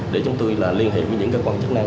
để chúng tôi liên hệ với những cơ quan chức năng